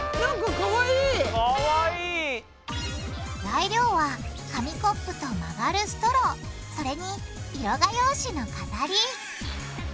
材料は紙コップと曲がるストローそれに色画用紙の飾り。